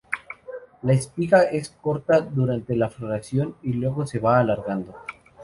La espiga es corta durante la floración y luego se va alargando.